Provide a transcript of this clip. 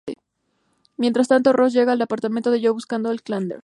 Mientras tanto, Ross llega al apartamento de Joey buscando a Chandler.